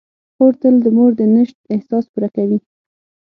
خور تل د مور د نشت احساس پوره کوي.